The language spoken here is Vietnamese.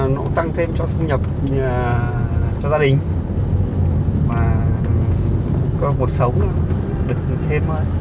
nó tăng thêm cho thu nhập cho gia đình và cuộc sống được thêm hơn